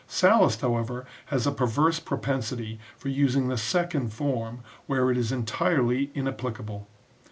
Sallust, however, has a perverse propensity for using the second form where it is entirely inapplicable.